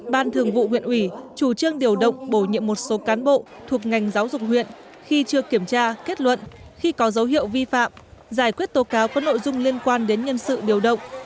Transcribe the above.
ban thường vụ huyện ủy chủ trương điều động bổ nhiệm một số cán bộ thuộc ngành giáo dục huyện khi chưa kiểm tra kết luận khi có dấu hiệu vi phạm giải quyết tố cáo có nội dung liên quan đến nhân sự điều động